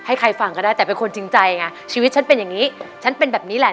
ให้ใครฟังก็ได้แต่เป็นคนจริงใจไงชีวิตฉันเป็นอย่างนี้ฉันเป็นแบบนี้แหละ